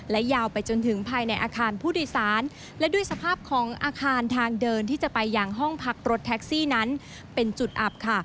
ยาวไปจนถึงภายในอาคารผู้โดยสารและด้วยสภาพของอาคารทางเดินที่จะไปยังห้องพักรถแท็กซี่นั้นเป็นจุดอับค่ะ